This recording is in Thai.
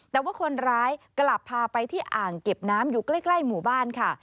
แต่ว่าคนร้ายกลับพาไปที่อ่างเก็บน้ำอยู่ใกล้หมู่บ้านค่ะ